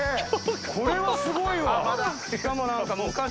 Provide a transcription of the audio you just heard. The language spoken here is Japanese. これはすごいわ。